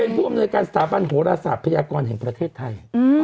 ผู้อำนวยการสถาบันโหรศาสตร์พยากรแห่งประเทศไทย